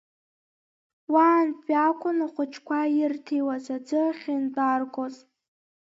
Уаантәи акәын ахәыҷқәа ирҭиуаз аӡы ахьынтәааргоз.